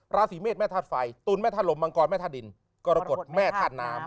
ราศีเมษแม่ธาตุไฟตุลแม่ธาลมมังกรแม่ธาตุดินกรกฎแม่ธาตุน้ำ